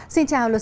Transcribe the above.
xin chào luật sư